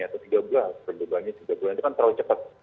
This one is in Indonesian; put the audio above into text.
atau tiga belas terbebani tiga belas bulan itu kan terlalu cepet